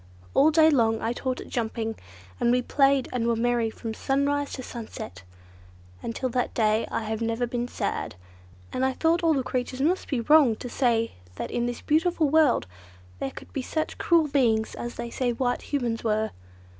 All day long I taught it jumping, and we played and were merry from sunrise to sunset. Until that day I had never been sad, and I thought all the creatures must be wrong to say that in this beautiful world there could be such cruel beings as they said White Humans were.